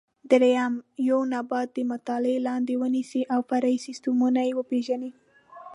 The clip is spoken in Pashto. درېیم: یو نبات د مطالعې لاندې ونیسئ او فرعي سیسټمونه یې وپېژنئ.